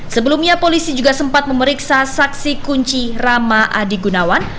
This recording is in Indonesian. sebelumnya polisi juga sempat memeriksa saksi kunci rama adi gunawan